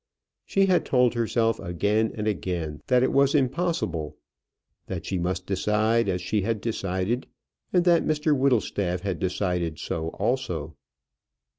She had told herself again and again that it was impossible, that she must decide as she had decided, and that Mr Whittlestaff had decided so also.